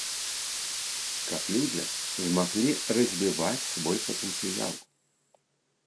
Каб людзі змаглі развіваць свой патэнцыял.